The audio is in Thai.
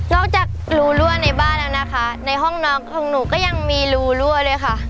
จากรูรั่วในบ้านแล้วนะคะในห้องนอนของหนูก็ยังมีรูรั่วเลยค่ะ